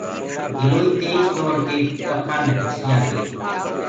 گِلوئي تيج دوڙ ڪي ڪکآ مي گھُس جآنديٚ هي۔